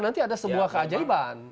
nanti ada sebuah keajaiban